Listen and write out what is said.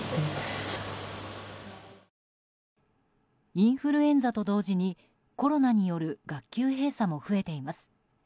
インフルエンザと同時にコロナによる学級閉鎖も増えています。